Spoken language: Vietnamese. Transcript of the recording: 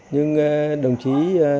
nhưng đồng chí